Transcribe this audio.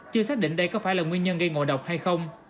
chưa xác định đây có phải là nguyên nhân gây ngộ độc hay không